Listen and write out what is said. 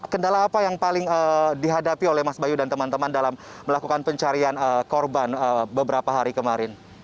kendala apa yang paling dihadapi oleh mas bayu dan teman teman dalam melakukan pencarian korban beberapa hari kemarin